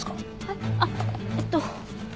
えっ？あっえっと